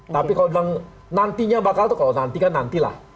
tapi kalau bilang nantinya bakal tuh kalau nanti kan nantilah